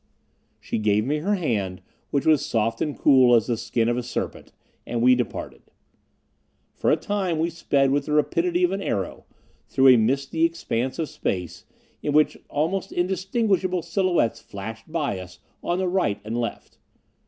She gave me her hand, which was soft and cool as the skin of a serpent, and we departed. For a time we sped with the rapidity of an arrow, through a misty expanse of space, in which almost indistinguishable silhouettes flashed by us, on the right and left.